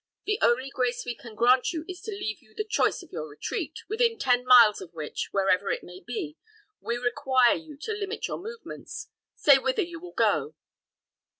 The only grace we can grant you is to leave you the choice of your retreat, within ten miles of which, wherever it may be, we require you to limit your movements. Say whither you will go."